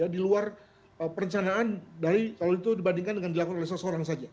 di luar perencanaan dari kalau itu dibandingkan dengan dilakukan oleh seseorang saja